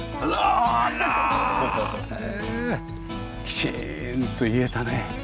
きちんと言えたね。